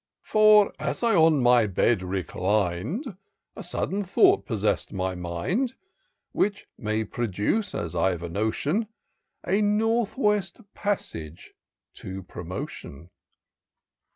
For as I on my bed reclin'd, A sudden thought possess'd my mind, Which may produce, as I've a notion, A North West passage to promotion.